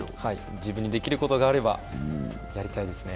自分にできることがあればやりたいですね。